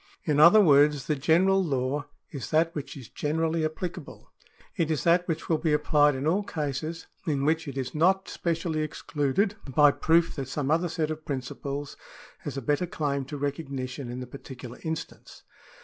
In other words, the general law is that which is generally applicable ; it is that which will be applied in all cases in which it is not specially excluded by proof that some other set of principles has a better claim to recognition in the particular instance.